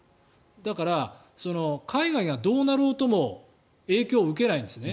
だから、海外がどうなろうとも影響を受けないんですね。